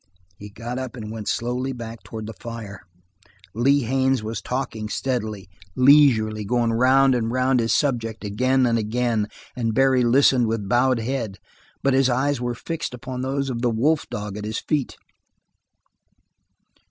He got up and went slowly back towards the fire. Lee Haines was talking steadily, leisurely, going round and round his subject again and again, and Barry listened with bowed head, but his eyes were fixed upon those of the wolf dog at his feet.